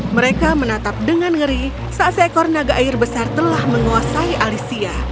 mereka menatap dengan ngeri saat seekor naga air besar telah menguasai alicia